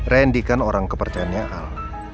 randy kan orang kepercayaannya al